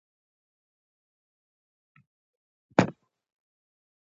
هغه ډېر شيطان و.